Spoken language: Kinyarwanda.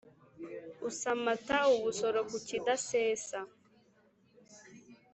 Usamata ubusoro ku kidasesa